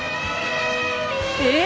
え！